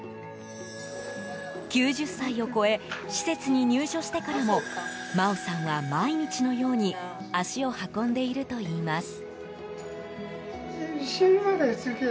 ９０歳を超え施設に入所してからも真央さんは毎日のように足を運んでいるといいます。